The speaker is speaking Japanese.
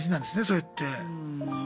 そうやって。